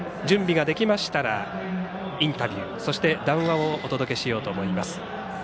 準備ができましたらインタビューそして、談話をお届けしようと思います。